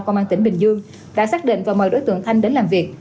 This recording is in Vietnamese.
công an tỉnh bình dương đã xác định và mời đối tượng thanh đến làm việc